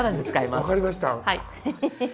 分かりました。